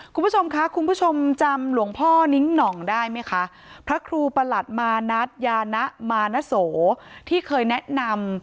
คุณผู้ชมค่ะคุณผู้ชมจำเหลวงพ่อนิ่งหน่องได้ไหมคะ